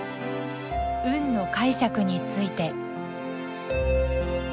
「運の解釈について」。